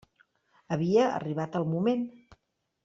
Havia arribat el moment.